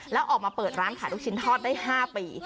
แล้วออกมาเปิดร้านขายลูกชิ้นทอดได้๕ปี